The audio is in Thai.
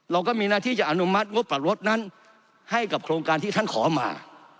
เราก็มีหน้าที่จะอนุมัติงบปรับรถนั้นให้กับโครงการที่ท่านขอมา